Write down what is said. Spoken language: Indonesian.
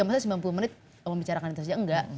maksudnya sembilan puluh menit membicarakan itu saja enggak